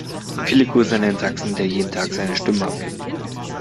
Viele Grüße an den Sachsen, der jeden Tag seine Stimme abgibt!